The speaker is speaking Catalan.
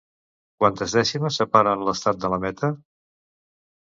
Quantes dècimes separen l'Estat de la meta?